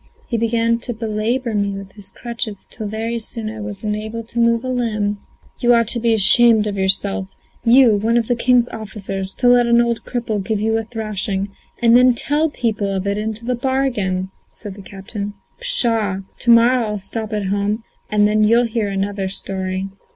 He began to belabour me with his crutches till very soon I was unable to move a limb." "You ought to be ashamed of yourself! you, one of the king's officers, to let an old cripple give you a thrashing, and then tell people of it into the bargain!" said the captain. "Pshaw! to morrow I'll stop at home, and then you'll hear another story."